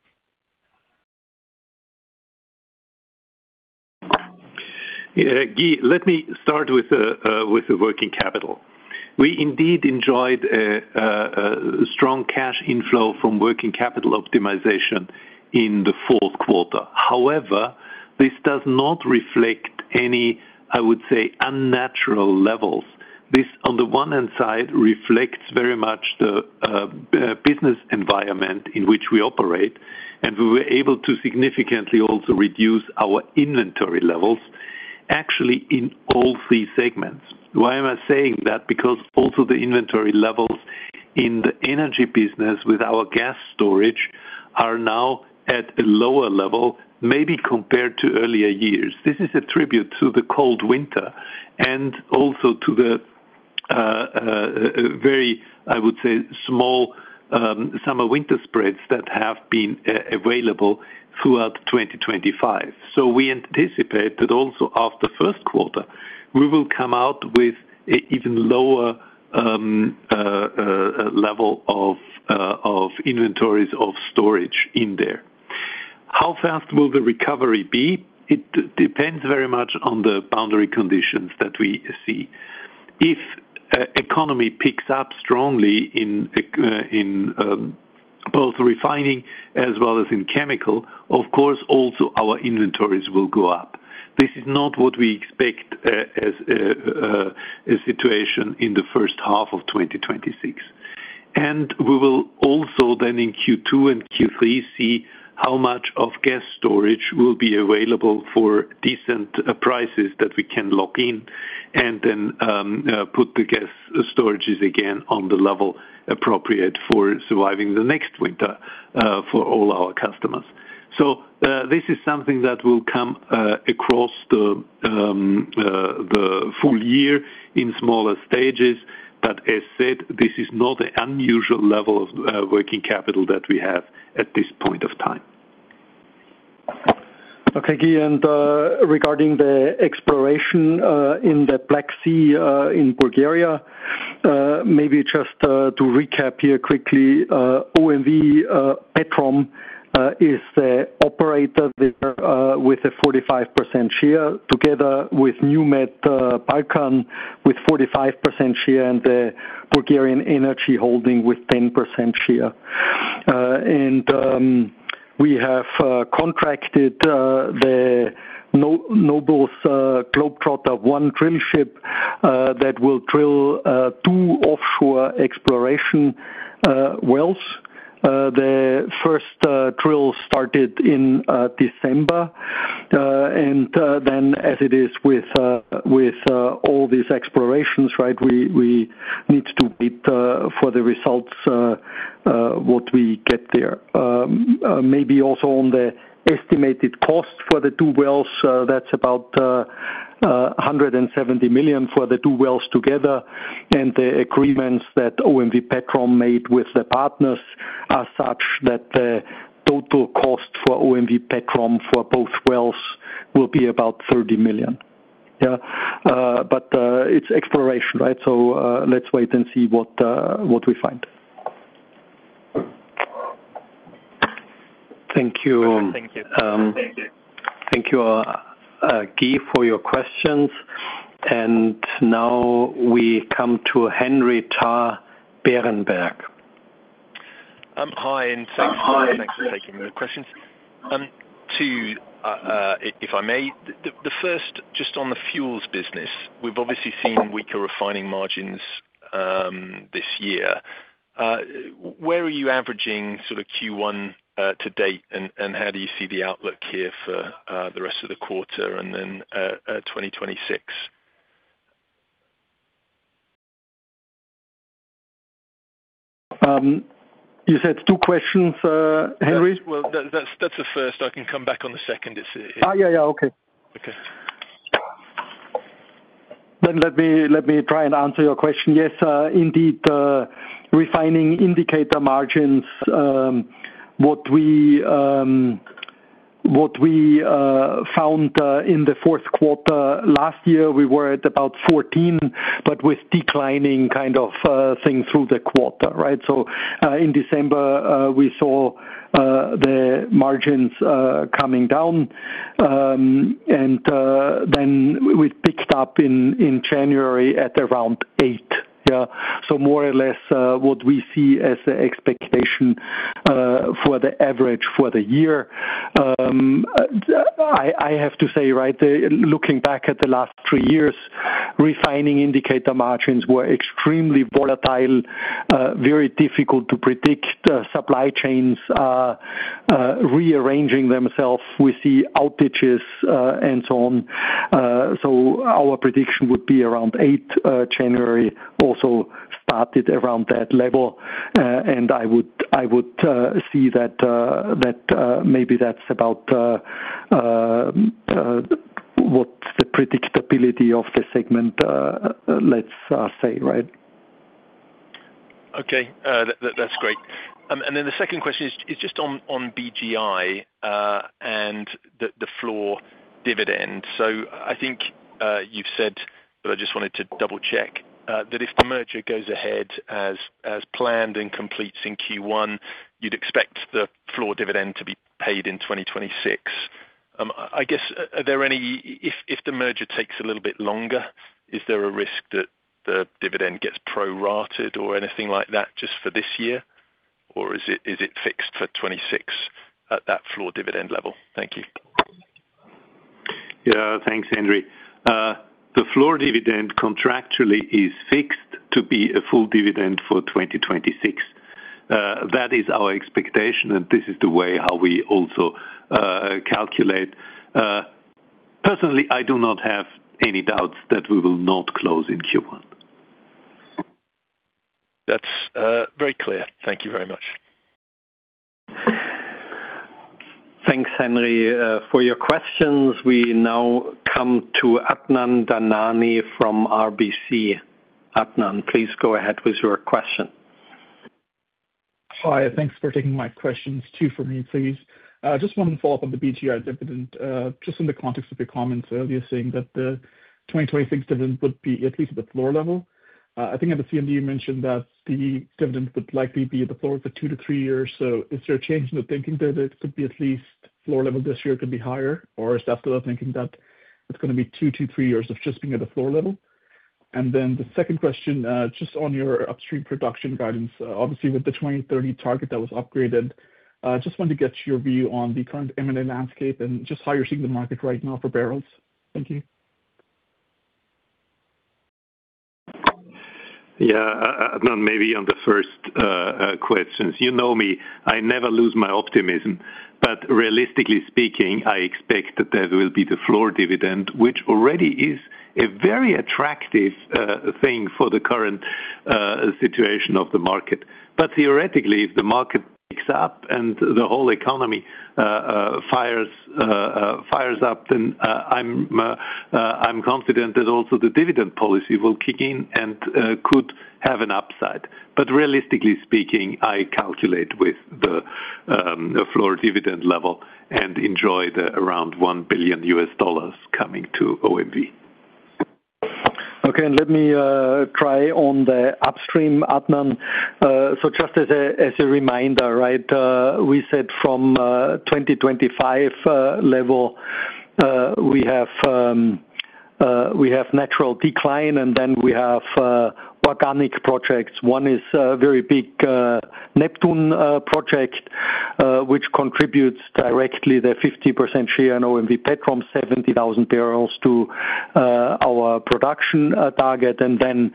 Yeah, Gui, let me start with the working capital. We indeed enjoyed a strong cash inflow from working capital optimization in the fourth quarter. However, this does not reflect any, I would say, unnatural levels. This, on the one hand side, reflects very much the business environment in which we operate, and we were able to significantly also reduce our inventory levels, actually, in all three segments. Why am I saying that? Because also the inventory levels in the energy business with our gas storage are now at a lower level, maybe compared to earlier years. This is a tribute to the cold winter and also to the very, I would say, small summer-winter spreads that have been available throughout 2025. So we anticipate that also after the first quarter, we will come out with an even lower level of inventories of storage in there.... How fast will the recovery be? It depends very much on the boundary conditions that we see. If economy picks up strongly in both refining as well as in chemical, of course, also our inventories will go up. This is not what we expect as a situation in the first half of 2026. And we will also then in Q2 and Q3 see how much of gas storage will be available for decent prices that we can lock in, and then put the gas storages again on the level appropriate for surviving the next winter for all our customers. So, this is something that will come across the full year in smaller stages, but as said, this is not an unusual level of working capital that we have at this point of time. Okay, Guy, and regarding the exploration in the Black Sea in Bulgaria, maybe just to recap here quickly, OMV Petrom is the operator there with a 45% share, together with NewMed with 45% share, and the Bulgarian Energy Holding with 10% share. And we have contracted the Noble Globetrotter I drill ship that will drill two offshore exploration wells. The first drill started in December. Then as it is with all these explorations, right, we need to wait for the results what we get there. Maybe also on the estimated cost for the two wells, that's about 170 million for the two wells together, and the agreements that OMV Petrom made with the partners are such that the total cost for OMV Petrom for both wells will be about 30 million. Yeah. But, it's exploration, right? So, let's wait and see what we find. Thank you. Thank you. Thank you, Gui, for your questions. Now we come to Henry Tarr, Berenberg. Hi, Hi. Thanks for taking the questions. Two, if I may. The first, just on the fuels business, we've obviously seen weaker refining margins this year. Where are you averaging sort of Q1 to date, and how do you see the outlook here for the rest of the quarter and then 2026? You said two questions, Henry? Well, that's the first. I can come back on the second, if... Ah, yeah, yeah. Okay. Okay. Then let me try and answer your question. Yes, indeed, refining indicator margins, what we found in the fourth quarter, last year, we were at about 14, but with declining kind of thing through the quarter, right? So, in December, we saw the margins coming down, and then we picked up in January at around 8. Yeah. So more or less, what we see as the expectation for the average for the year. I have to say, right, looking back at the last three years, refining indicator margins were extremely volatile, very difficult to predict. Supply chains rearranging themselves. We see outages, and so on. So our prediction would be around 8, January also started around that level. I would see that maybe that's about what the predictability of the segment, let's say, right? Okay. That's great. And then the second question is just on BGI and the floor dividend. So I think you've said, but I just wanted to double-check that if the merger goes ahead as planned and completes in Q1, you'd expect the floor dividend to be paid in 2026. I guess, are there any... If the merger takes a little bit longer, is there a risk that the dividend gets prorated or anything like that, just for this year? Or is it fixed for 2026 at that floor dividend level? Thank you. Yeah. Thanks, Henry. The floor dividend contractually is fixed to be a full dividend for 2026. That is our expectation, and this is the way how we also calculate. Personally, I do not have any doubts that we will not close in Q1. That's very clear. Thank you very much. Thanks, Henry, for your questions. We now come to Adnan Dhanani from RBC. Adnan, please go ahead with your question.... Hi, thanks for taking my questions. Two for me, please. Just wanted to follow up on the BGI dividend, just in the context of your comments earlier saying that the 2026 dividend would be at least at the floor level. I think at the CMD, you mentioned that the dividend would likely be at the floor for 2-3 years. So is there a change in the thinking that it could be at least floor level this year, could be higher, or is that still thinking that it's gonna be 2-3 years of just being at the floor level? And then the second question, just on your upstream production guidance. Obviously, with the 2030 target that was upgraded, just want to get your view on the current M&A landscape and just how you're seeing the market right now for barrels? Thank you. Yeah, Adnan, maybe on the first question. You know me, I never lose my optimism. But realistically speaking, I expect that that will be the floor dividend, which already is a very attractive thing for the current situation of the market. But theoretically, if the market picks up and the whole economy fires up, then I'm confident that also the dividend policy will kick in and could have an upside. But realistically speaking, I calculate with the floor dividend level and enjoy the around $1 billion coming to OMV. Okay, and let me try on the upstream, Adnan. So, just as a reminder, right, we said from 2025 level, we have natural decline, and then we have organic projects. One is a very big Neptune project, which contributes directly the 50% share in OMV Petrom 70,000 barrels to our production target. And then,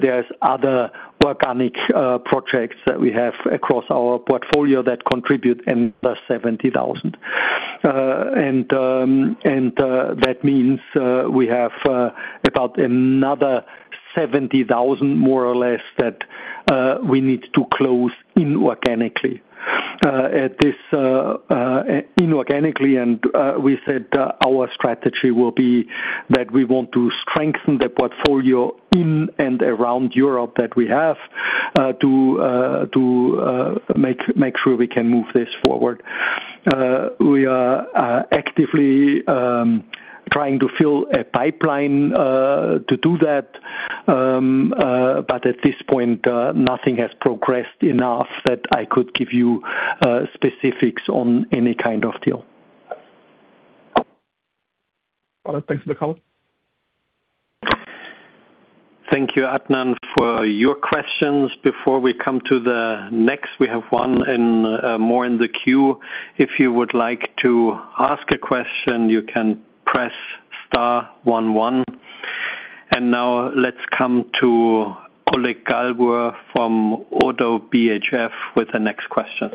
there's other organic projects that we have across our portfolio that contribute in the 70,000. And that means we have about another 70,000, more or less, that we need to close inorganically, and we said our strategy will be that we want to strengthen the portfolio in and around Europe that we have to make sure we can move this forward. We are actively trying to fill a pipeline to do that, but at this point, nothing has progressed enough that I could give you specifics on any kind of deal. All right, thanks for the call. Thank you, Adnan, for your questions. Before we come to the next, we have one in, more in the queue. If you would like to ask a question, you can press star one, one. Now let's come to Oleg Galbur from ODDO BHF with the next question.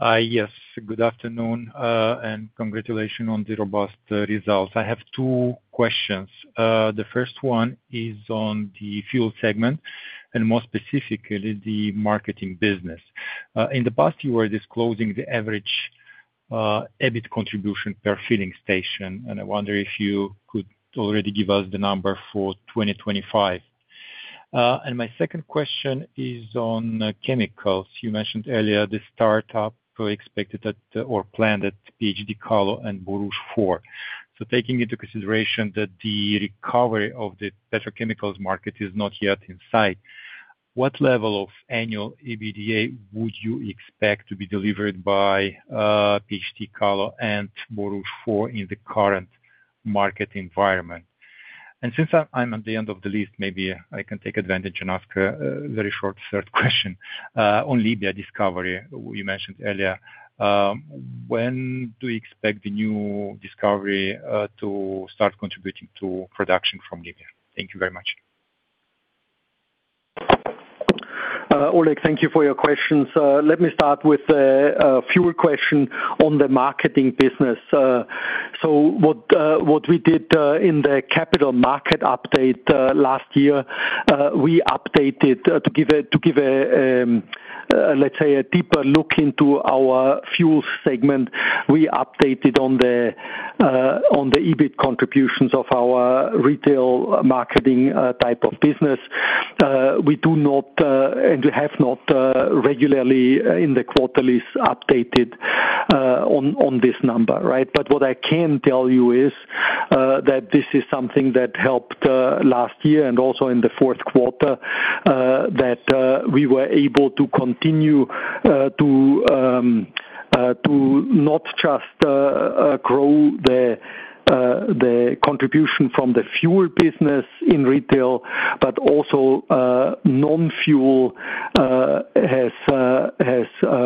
Yes, good afternoon, and congratulations on the robust results. I have two questions. The first one is on the fuel segment, and more specifically, the marketing business. In the past, you were disclosing the average EBIT contribution per filling station, and I wonder if you could already give us the number for 2025. And my second question is on chemicals. You mentioned earlier the startup we expected at, or planned at PDH Kallo and Borouge 4. So taking into consideration that the recovery of the petrochemicals market is not yet in sight, what level of annual EBITDA would you expect to be delivered by PDH Kallo and Borouge 4 in the current market environment? And since I'm at the end of the list, maybe I can take advantage and ask a very short third question on Libya discovery. You mentioned earlier, when do you expect the new discovery to start contributing to production from Libya? Thank you very much. Oleg, thank you for your questions. Let me start with the fuel question on the marketing business. So what we did in the capital market update last year, we updated to give a, let's say, a deeper look into our fuel segment. We updated on the EBIT contributions of our retail marketing type of business. We do not and we have not regularly in the quarterlies updated on this number, right? But what I can tell you is, that this is something that helped, last year and also in the fourth quarter, that we were able to continue, to not just grow the contribution from the fuel business in retail, but also, non-fuel has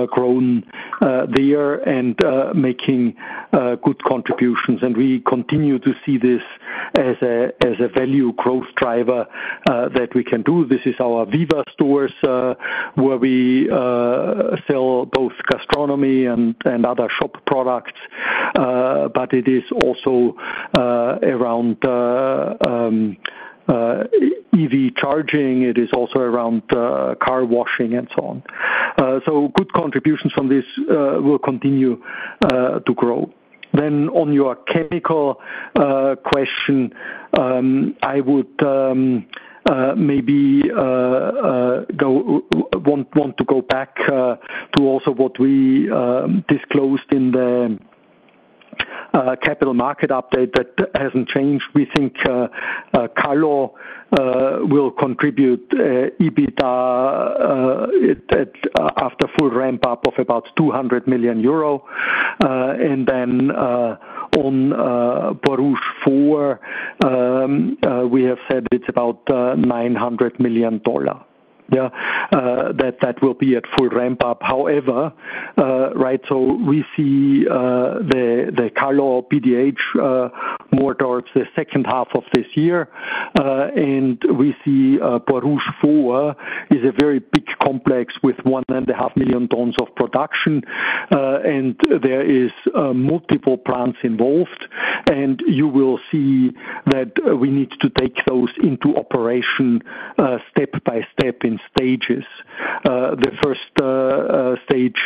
grown, there and, making good contributions. And we continue to see this as a, as a value growth driver, that we can do. This is our VIVA stores, where we sell both gastronomy and other shop products, but it is also, around EV charging. It is also around, car washing and so on. So good contributions from this, will continue to grow.... Then on your chemical question, I would maybe want to go back to also what we disclosed in the capital market update. That hasn't changed. We think Kallo will contribute EBITDA after full ramp up of about 200 million euro. And then on Borouge 4, we have said it's about $900 million. Yeah. That will be at full ramp up, however, right, so we see the Kallo PDH more towards the second half of this year. And we see Borouge 4 is a very big complex with 1.5 million tons of production. And there is multiple plants involved, and you will see that we need to take those into operation, step by step in stages. The first stage,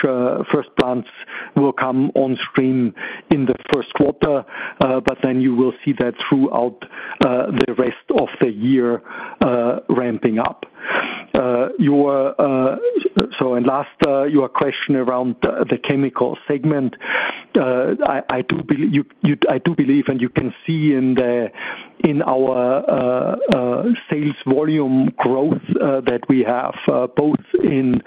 first plants will come on stream in the first quarter, but then you will see that throughout the rest of the year, ramping up. Your... So, and last, your question around the chemical segment. I, I do be- you, you-- I do believe, and you can see in the, in our sales volume growth, that we have, both in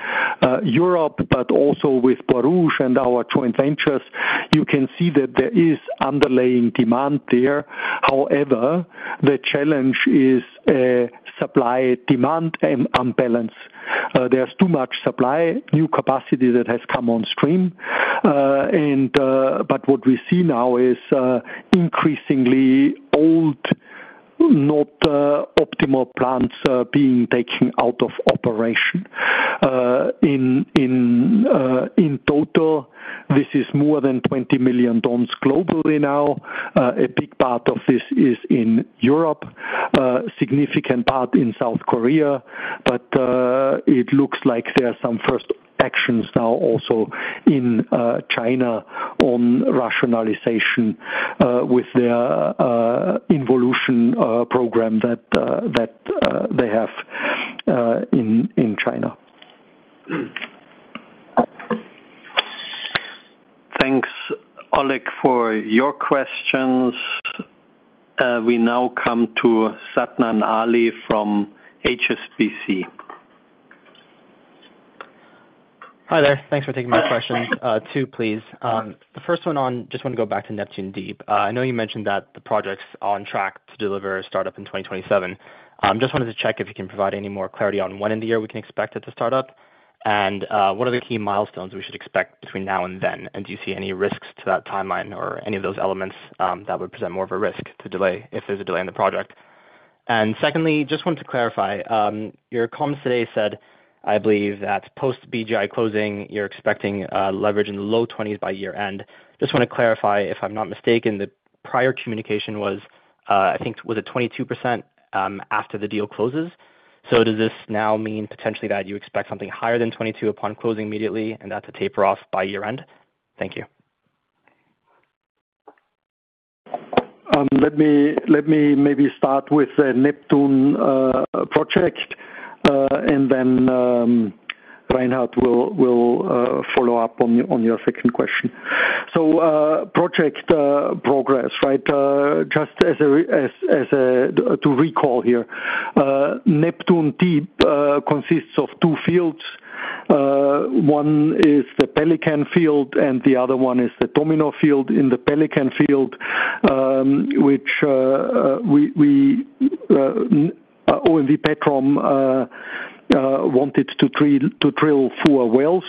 Europe, but also with Borouge and our joint ventures, you can see that there is underlying demand there. However, the challenge is, supply, demand, and unbalance. There's too much supply, new capacity that has come on stream. But what we see now is increasingly old, not optimal plants being taken out of operation. In total, this is more than 20 million tons globally now. A big part of this is in Europe, significant part in South Korea, but it looks like there are some first actions now also in China on rationalization, with their innovation program that they have in China. Thanks, Oleg, for your questions. We now come to Sadnan Ali from HSBC. Hi there. Thanks for taking my question. Two, please. The first one on, just want to go back to Neptune Deep. I know you mentioned that the project's on track to deliver a startup in 2027. Just wanted to check if you can provide any more clarity on when in the year we can expect it to start up, and what are the key milestones we should expect between now and then? Do you see any risks to that timeline or any of those elements that would present more of a risk to delay, if there's a delay in the project? Secondly, just wanted to clarify your comments today said, I believe, that post BGI closing, you're expecting leverage in the low 20s by year-end. Just wanna clarify, if I'm not mistaken, the prior communication was, I think, was it 22% after the deal closes? So does this now mean potentially that you expect something higher than 22 upon closing immediately, and that's a taper off by year-end? Thank you. Let me maybe start with the Neptune project, and then, Reinhard will follow up on your second question. So, project progress, right? Just as a reminder to recall here, Neptune Deep consists of two fields. One is the Pelican Field, and the other one is the Domino Field. In the Pelican Field, which we, OMV Petrom, wanted to drill four wells.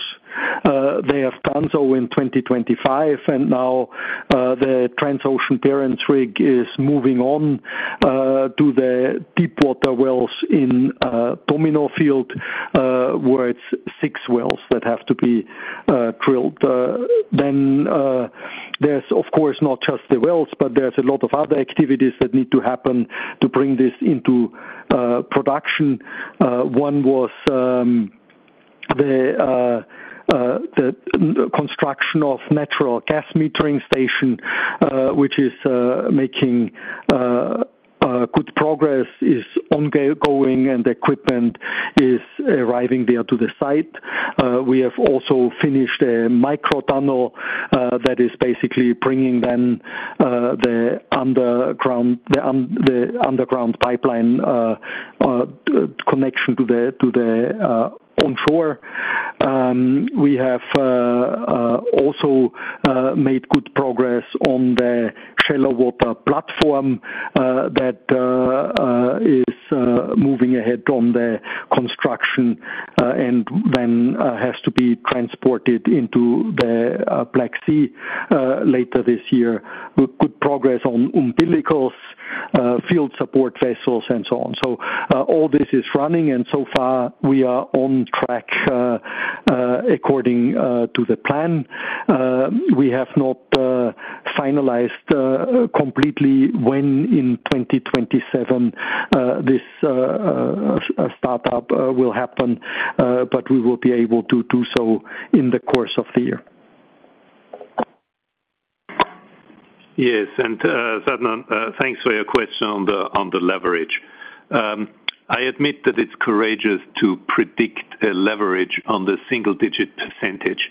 They have done so in 2025, and now, the Transocean Barents rig is moving on to the deep water wells in Domino Field, where it's six wells that have to be drilled. Then, there's of course, not just the wells, but there's a lot of other activities that need to happen to bring this into production. One was the construction of natural gas metering station, which is making good progress, is going, and equipment is arriving there to the site. We have also finished a micro tunnel that is basically bringing then the underground pipeline connection to the onshore. We have also made good progress on the shallow water platform that is moving ahead on the construction and then has to be transported into the Black Sea later this year. Good progress on umbilicals, field support vessels, and so on. So, all this is running, and so far we are on track, according to the plan. We have not finalized completely when in 2027 this startup will happen, but we will be able to do so in the course of the year.... Yes, and, Sadnan, thanks for your question on the leverage. I admit that it's courageous to predict a leverage on the single-digit percentage.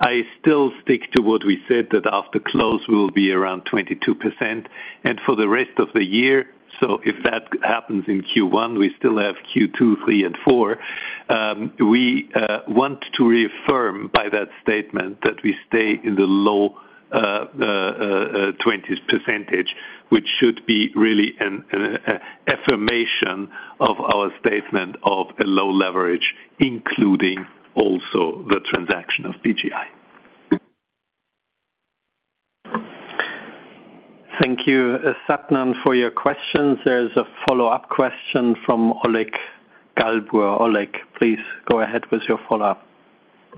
I still stick to what we said, that after close we will be around 22%, and for the rest of the year, so if that happens in Q1, we still have Q2, Q3 and Q4. We want to reaffirm by that statement that we stay in the low 20s%, which should be really an affirmation of our statement of a low leverage, including also the transaction of BGI. Thank you, Sadnan, for your questions. There's a follow-up question from Oleg Galbur. Oleg, please go ahead with your follow-up.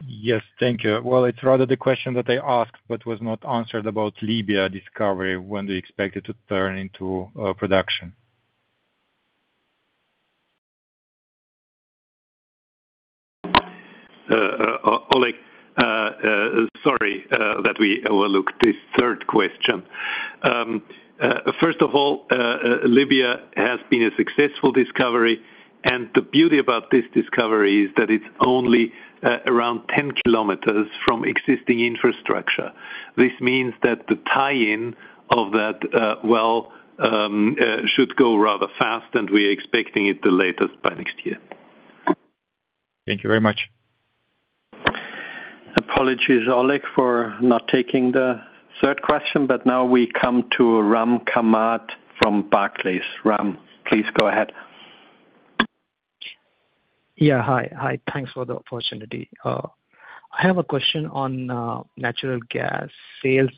Yes, thank you. Well, it's rather the question that I asked, but was not answered about Libya discovery, when do you expect it to turn into production? Oleg, sorry that we overlooked this third question. First of all, Libya has been a successful discovery, and the beauty about this discovery is that it's only around 10 kilometers from existing infrastructure. This means that the tie-in of that should go rather fast, and we're expecting it the latest by next year. Thank you very much. Apologies, Oleg, for not taking the third question, but now we come to Ram Kamath from Barclays. Ram, please go ahead. Yeah. Hi. Hi, thanks for the opportunity. I have a question on natural gas sales.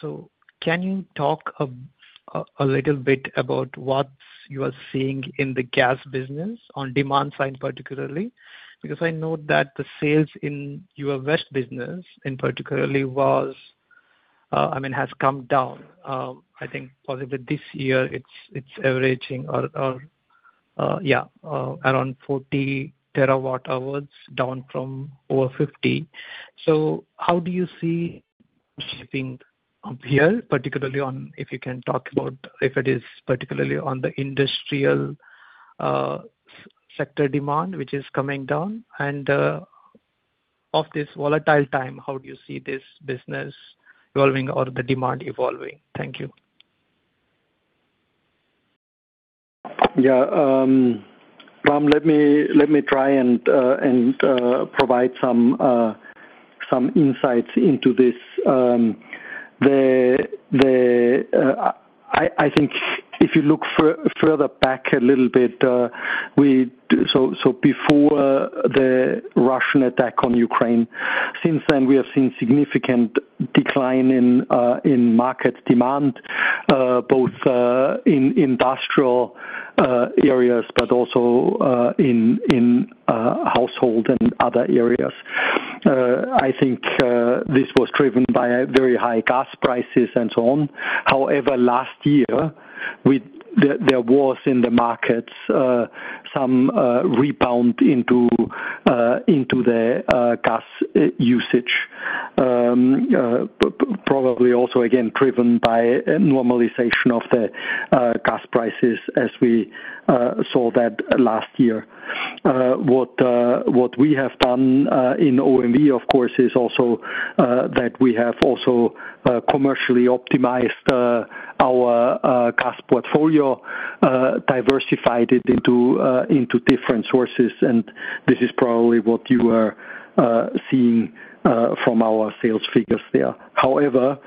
So can you talk a little bit about what you are seeing in the gas business, on demand side particularly? Because I know that the sales in your West business in particularly was, I mean, has come down. I think possibly this year it's averaging or yeah around 40 terawatt hours, down from over 50. So how do you see shaping up here, particularly on, if you can talk about if it is particularly on the industrial sector demand, which is coming down? And of this volatile time, how do you see this business evolving or the demand evolving? Thank you. Yeah, Ram, let me try and provide some insights into this. I think if you look further back a little bit, we... So, before the Russian attack on Ukraine, since then, we have seen significant decline in market demand, both in industrial areas, but also in household and other areas. I think this was driven by very high gas prices and so on. However, last year, there was in the markets some rebound into the gas usage. Probably also again, driven by a normalization of the gas prices, as we saw that last year. What we have done in OMV, of course, is also that we have also commercially optimized our gas portfolio, diversified it into different sources, and this is probably what you are seeing from our sales figures there. However,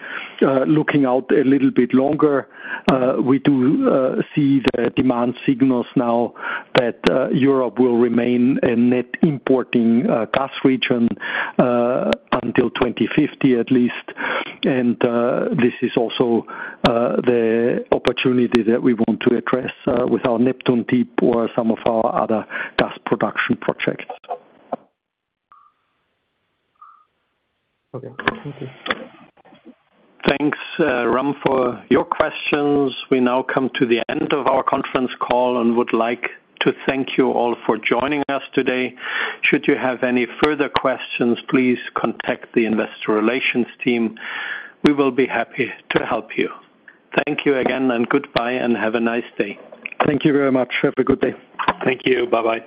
looking out a little bit longer, we do see the demand signals now that Europe will remain a net importing gas region until 2050, at least. This is also the opportunity that we want to address with our Neptune Deep or some of our other gas production projects. Okay. Thank you. Thanks, Ram, for your questions. We now come to the end of our conference call and would like to thank you all for joining us today. Should you have any further questions, please contact the investor relations team. We will be happy to help you. Thank you again, and goodbye, and have a nice day. Thank you very much. Have a good day. Thank you. Bye-bye.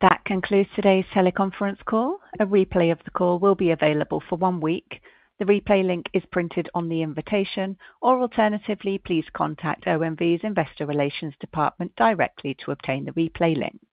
That concludes today's teleconference call. A replay of the call will be available for one week. The replay link is printed on the invitation, or alternatively, please contact OMV's Investor Relations department directly to obtain the replay link.